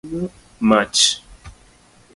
mach